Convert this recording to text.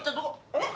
えっ？